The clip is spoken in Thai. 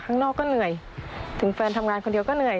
ข้างนอกก็เหนื่อยถึงแฟนทำงานคนเดียวก็เหนื่อย